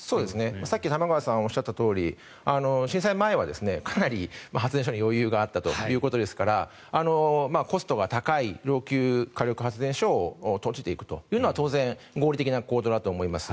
さっき玉川さんがおっしゃったとおり震災前はかなり発電所に余裕があったということですからコストが高い火力発電所を閉じていくというのは当然合理的な行動だと思います。